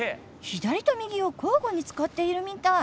左と右を交互に使っているみたい。